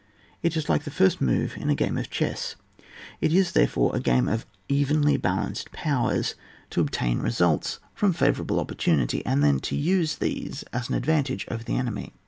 It is like the first moves in a game of chess. It is, there fore, a game of evenly balanced powers, to obtain results from favourable oppor tunity, and then to use these as an ad vantage over the enemy.